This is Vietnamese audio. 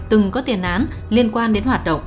từng có tiền án liên quan đến hoạt động